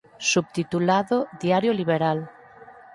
Subtitulado "Diario liberal.